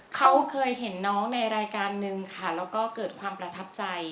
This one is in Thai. เขาเคยเห็นน้องในรายการนึงค่ะแล้วก็เกิดความประทับใจ